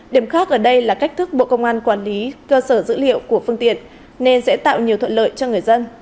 điểm khác ở đây là cách thức bộ công an quản lý cơ sở dữ liệu của phương tiện nên sẽ tạo nhiều thuận lợi cho người dân